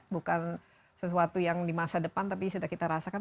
bukan sesuatu yang di masa depan tapi sudah kita rasakan